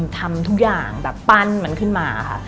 ทำทุกอย่างแบบปั้นมันขึ้นมาค่ะ